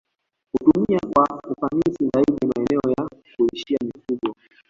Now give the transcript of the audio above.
Kutumia kwa ufanisi zaidi maeneo ya kulishia mifugo